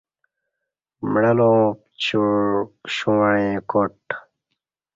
معلاں پڅیوع شوں وعیں کاٹ